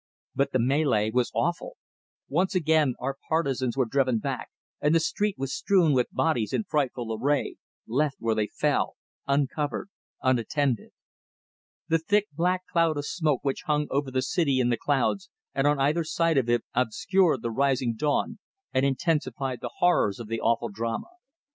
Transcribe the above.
But the mêlée was awful. Once again our partisans were driven back, and the street was strewn with bodies in frightful array, left where they fell, uncovered, unattended. The thick black cloud of smoke which hung over the City in the Clouds and on either side of it obscured the rising dawn and intensified the horrors of the awful drama.